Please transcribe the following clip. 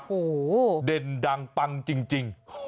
โอ้โหเด่นดังปังจริง